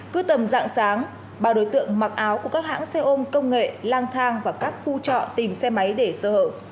cứ tầm dạng sáng ba đối tượng mặc áo của các hãng xe ôm công nghệ lang thang và các khu trọ tìm xe máy để sơ hở